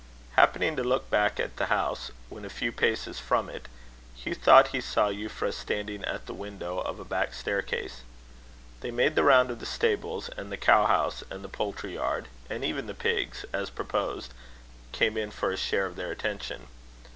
Happening to look back at the house, when a few paces from it, Hugh thought he saw Euphra standing at the window of a back staircase. They made the round of the stables, and the cow house, and the poultry yard; and even the pigs, as proposed, came in for a share of their attention.